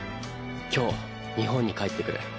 今日日本に帰って来る。